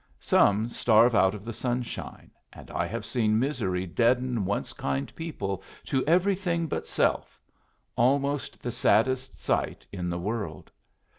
Some starve out of the sunshine; and I have seen misery deaden once kind people to everything but self almost the saddest sight in the world!